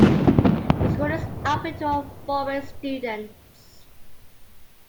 The school is open to all foreign students.